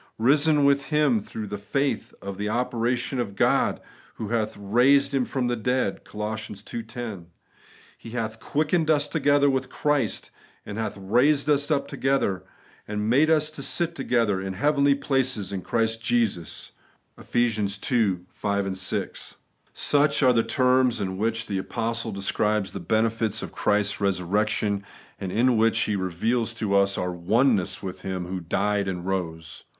' Eisen with Him through the faith of the operation of God, who hath raised Him from the dead ' (Col. ii. 10). 'He hath quickened us together with Christ, and hath raised us up together, and made us sit to gether in heavenly places in Christ Jesus ' (Eph. ii. 5, 6). Such are the terms in which the apostle V 44 The Everlasting Righteousness. describes the benefits of Christ's resurrection, and in which he reveals to us our oneness with Him who died and rose.